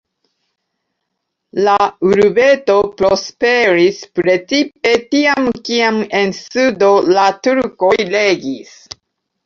La urbeto prosperis precipe tiam, kiam en sudo la turkoj regis.